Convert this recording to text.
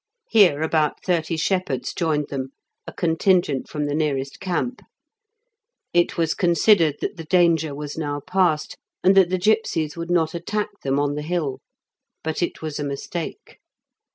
Here about thirty shepherds joined them, a contingent from the nearest camp. It was considered that the danger was now past, and that the gipsies would not attack them on the hill; but it was a mistake.